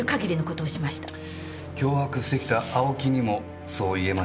脅迫してきた青木にもそう言えましたか？